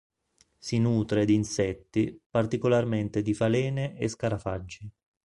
Si nutre di insetti, particolarmente di falene e scarafaggi.